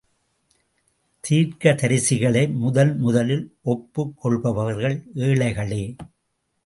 தீர்க்கதரிசிகளை முதன் முதலில் ஒப்புக் கொள்பவர்கள் ஏழைகளே!